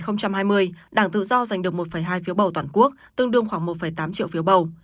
trong cuộc bầu cử năm hai nghìn hai mươi đảng tự do giành được một hai phiếu bầu toàn quốc tương đương khoảng một tám triệu phiếu bầu